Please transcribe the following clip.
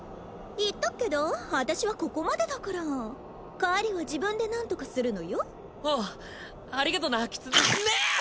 言っとくけど私はここまでだから帰りは自分で何とかするのよおうありがとなキツギャーッ！